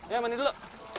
ya mandi dulu